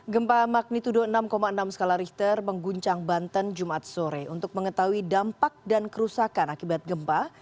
gempa magnitudo enam enam skala richter mengguncang banten jumat sore untuk mengetahui dampak dan kerusakan akibat gempa